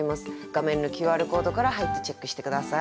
画面のＱＲコードから入ってチェックして下さい。